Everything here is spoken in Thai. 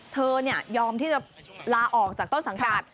เธอยอมที่จะลาออกจากต้นสังกัด